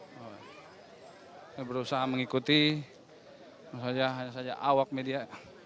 saya berusaha mengikuti hanya saja awak media